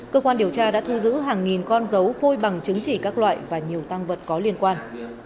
cơ quan điều tra đã thu giữ hàng nghìn con dấu phôi bằng chứng chỉ các loại và nhiều tăng vật có liên quan